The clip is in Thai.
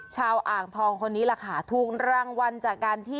ชาวอ่างทองคนี้แหละค่ะทูลังวันจากการที่